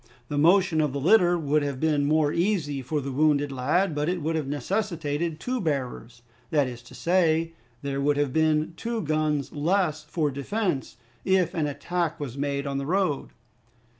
The motion of the litter would have been more easy for the wounded lad, but it would have necessitated two bearers, that is to say, there would have been two guns less for defense if an attack was made on the road.